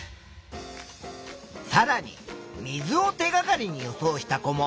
さらに水を手がかりに予想した子も。